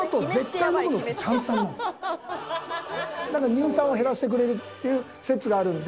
乳酸を減らしてくれるっていう説があるので。